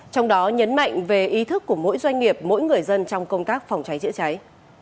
trong đó nhấn mạnh về ý thức của mỗi doanh nghiệp mỗi người dân trong công tác phòng cháy chữa cháy